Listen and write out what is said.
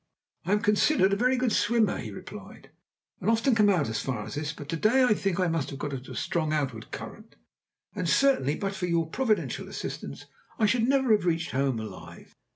"I am considered a very good swimmer," he replied, "and often come out as far as this, but to day I think I must have got into a strong outward current, and certainly but for your providential assistance I should never have reached home alive."